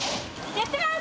「やってます！」